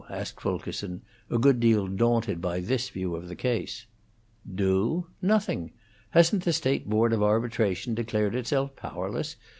asked Fulkerson, a good deal daunted by this view of the case. "Do? Nothing. Hasn't the State Board of Arbitration declared itself powerless?